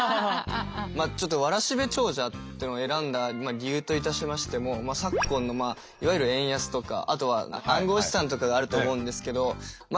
ちょっと「わらしべ長者」っていうのを選んだ理由といたしましても昨今のいわゆる円安とかあとは暗号資産とかがあると思うんですけどま